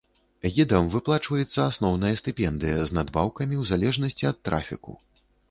Гідам выплачваецца асноўная стыпендыя з надбаўкамі ў залежнасці ад трафіку.